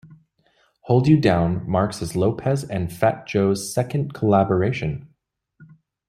"Hold You Down" marks as Lopez and Fat Joe's second collaboration.